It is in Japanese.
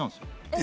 え！